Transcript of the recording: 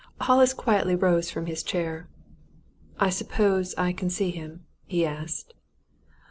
Hollis quietly rose from his chair. "I suppose I can see him?" he asked.